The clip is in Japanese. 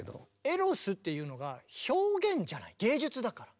「エロス」っていうのが表現じゃない芸術だから。